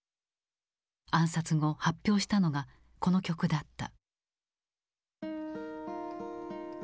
暗殺後発表したのがこの曲だった。